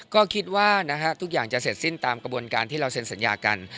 ก็คิดว่าทุกอย่างจะเสร็จสิ้นตามกระบวนการที่เราเซ็นสัญญากัน